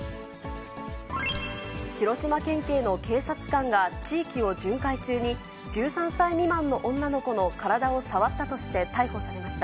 広島県警の警察官が地域を巡回中に、１３歳未満の女の子の体を触ったとして逮捕されました。